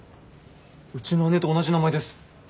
うちの姉と同じ名前です。